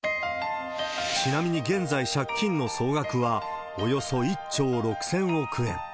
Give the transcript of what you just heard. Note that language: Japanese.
ちなみに現在、借金の総額はおよそ１兆６０００億円。